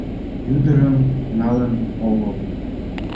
Ӱдырым налын огыл.